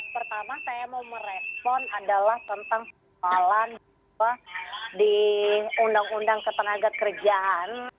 pertama saya mau merespon adalah tentang persoalan di undang undang ketenaga kerjaan